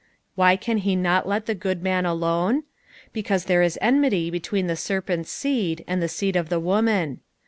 Why can he not let (tie good man alone ? Because there is eumitj between the eerpenl's seed and the seed of the woman.